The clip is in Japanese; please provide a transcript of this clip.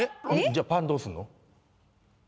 じゃあパンどうすんの？